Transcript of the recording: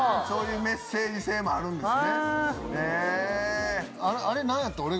そういうメッセージ性もあるんですね。